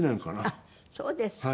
あっそうですか。